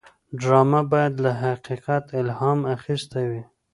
ډرامه باید له حقیقت الهام اخیستې وي